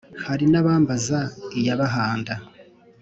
hari n ' abambaza iya bahanda ;